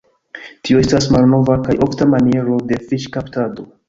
Tio estas malnova kaj ofta maniero de fiŝkaptado.